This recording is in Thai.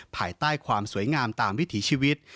ภายใต้ความสวยงามตามวิถีชีวิต